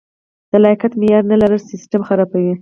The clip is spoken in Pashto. د لیاقت معیار نه لرل سیستم خرابوي.